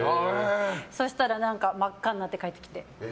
そうしたら真っ赤になって帰ってきて。